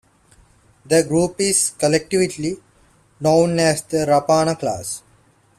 The group is collectively known as the "Rapana" class.